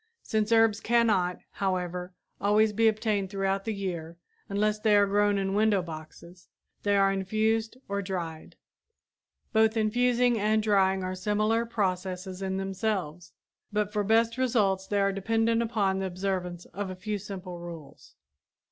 Since herbs cannot, however, always be obtained throughout the year, unless they are grown in window boxes, they are infused or dried. Both infusing and drying are similar processes in themselves, but for best results they are dependent upon the observance of a few simple rules.